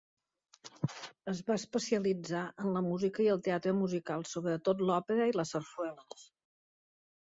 Es va especialitzar en la música i el teatre musical, sobretot l'òpera i la sarsuela.